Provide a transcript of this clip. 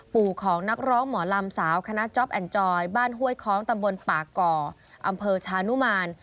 ปู่ของนักร้องหมอลำสาวคณะจ๊อปแอ่นจอยบ้านห้วยคล้องตำบลปากก่ออำเภอชานุมาน